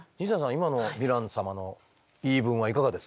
今のヴィラン様の言い分はいかがですか？